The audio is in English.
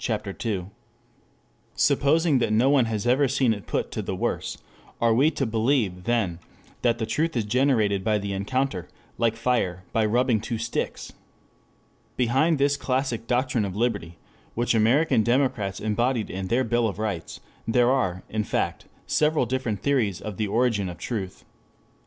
II.] Supposing that no one has ever seen it put to the worse, are we to believe then that the truth is generated by the encounter, like fire by rubbing two sticks? Behind this classic doctrine of liberty, which American democrats embodied in their Bill of Rights, there are, in fact, several different theories of the origin of truth.